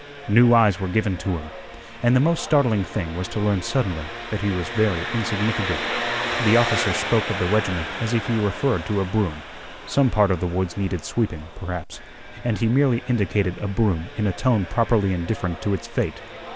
New eyes were given to him. And the most startling thing was to learn suddenly that he was very insignificant. The officer spoke of the regiment as if he referred to a broom. Some part of the woods needed sweeping, perhaps, and he merely indicated a broom in a tone properly indifferent to its fate.